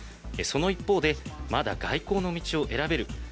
その一方で、まだ外交の道を選べる。